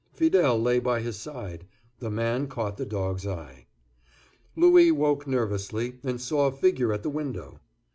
Fidele lay by his side. The man caught the dog's eye. Louis woke nervously, and saw a figure at the window.